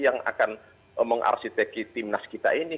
yang akan mengarsiteki timnas kita ini